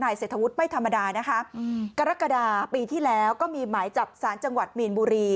เศรษฐวุฒิไม่ธรรมดานะคะกรกฎาปีที่แล้วก็มีหมายจับสารจังหวัดมีนบุรี